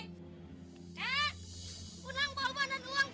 hei unang bawa banan uang kek